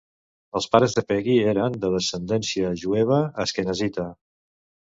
Els pares de Peggy eren de descendència jueva asquenazita.